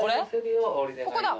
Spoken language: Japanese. ここだ。